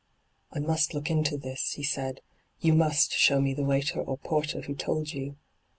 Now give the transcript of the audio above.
' I must look into this,' he said, ' You must show me the waiter or porter who told you.